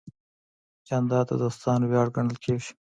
جانداد د دوستانو ویاړ ګڼل کېږي.